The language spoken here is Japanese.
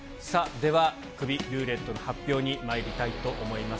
では、クビルーレットの発表にまいりたいと思います。